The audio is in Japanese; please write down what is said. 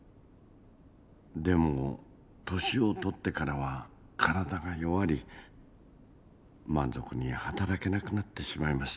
でも年を取ってからは体が弱り満足に働けなくなってしまいました。